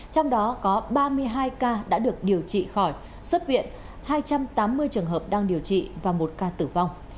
trong đó có ba mươi hai ca đã được điều trị khỏi xuất viện hai trăm tám mươi trường hợp đang điều trị và một ca tử vong